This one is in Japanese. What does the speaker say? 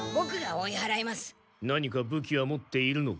何か武器は持っているのか？